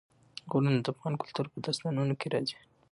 غرونه د افغان کلتور په داستانونو کې راځي.